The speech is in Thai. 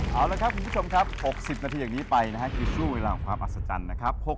เอาละครับคุณผู้ชมครับ๖๐นาทีอย่างนี้ไปนะครับคือช่วงเวลาของความอัศจรรย์นะครับ